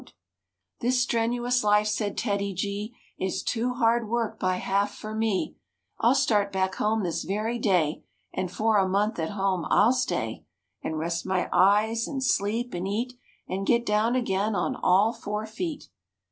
THE BEARS VISIT WASHINGTON 181 "This strenuous life," said TEDDY G, "Is too hard work by half for me; I'll start back home this very day And for a month at home I'll stay And rest my eyes and sleep and eat And get down again on all four feet."